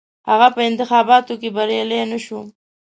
هغه په انتخاباتو کې بریالی نه شو.